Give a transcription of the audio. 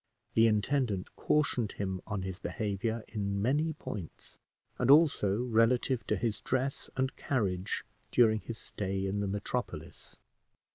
The intendant cautioned him on his behavior in many points, and also relative to his dress and carriage during his stay in the metropolis.